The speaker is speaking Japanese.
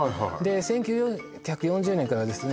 １９４０年からですね